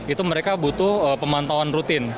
itu mereka butuh pemantauan rutin